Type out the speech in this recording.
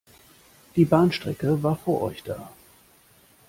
Die Bahnstrecke war vor euch da.